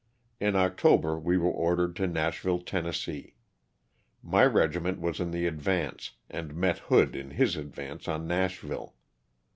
In Octo ber we were ordered to Nashville, Tenn. My regi ment was in the advance and met Hood in his advance on Nashville.